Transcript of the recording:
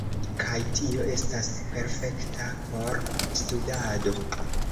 Kaj tio estas perfekta por studado